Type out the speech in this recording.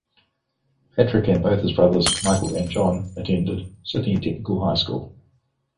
Patrick and both his brothers, Michael and John, attended Sydney Technical High School.